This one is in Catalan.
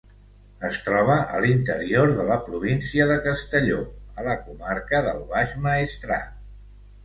Es troba a l'interior de la província de Castelló, a la comarca del Baix Maestrat.